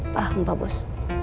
paham pak bos